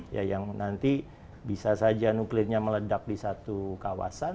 ya yang nanti bisa saja nuklirnya meledak di satu kawasan